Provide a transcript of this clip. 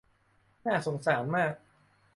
น่าสงสารมาก